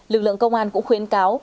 lực lượng công an cũng khuyến cáo